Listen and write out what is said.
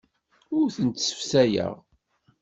Ur tent-ssefsayeɣ.